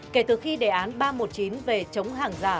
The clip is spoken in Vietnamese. kể từ khi đề án ba trăm một mươi chín về chống hàng giả